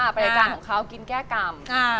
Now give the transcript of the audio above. ในรายการของเขากินแก้กำ